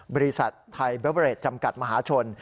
บริษัทไทยเบอร์เรดจำกัดมหาชน